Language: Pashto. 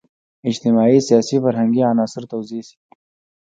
اجتماعي، سیاسي، فرهنګي عناصر توضیح شي.